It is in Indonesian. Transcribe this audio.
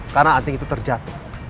karena anting itu terjatuh